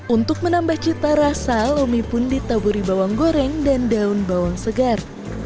untuk menambah cita rasa lomi pun ditaburi bawang goreng dan daun bawang segar